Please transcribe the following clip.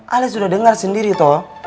ali sudah dengar sendiri toh